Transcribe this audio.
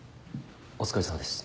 お疲れさまです。